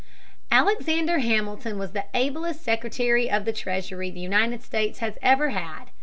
Alexander Hamilton was the ablest Secretary of the Treasury the United States has ever had.